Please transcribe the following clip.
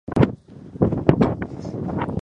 北海道長万部町